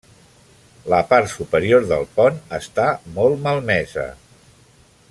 La part superior del pont és molt malmesa.